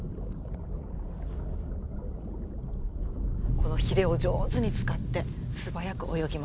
このヒレを上手に使って素早く泳ぎ回ってた。